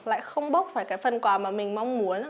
lại không bóc phải cái phần quà mà mình mong muốn